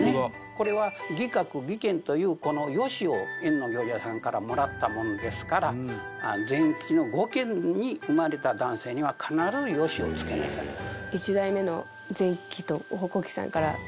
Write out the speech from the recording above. これは義覚義賢というこの「義」を役行者さんからもらったものですから前鬼の５軒に生まれた男性には必ず「義」を付けなさいと。